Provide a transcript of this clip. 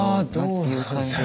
っていう感じは。